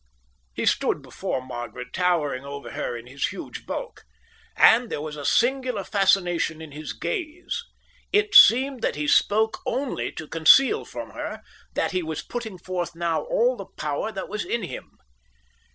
He stood before Margaret, towering over her in his huge bulk; and there was a singular fascination in his gaze. It seemed that he spoke only to conceal from her that he was putting forth now all the power that was in him.